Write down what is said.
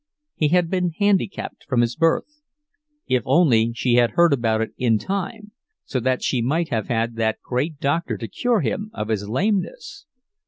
He had been handicapped from his birth. If only she had heard about it in time, so that she might have had that great doctor to cure him of his lameness!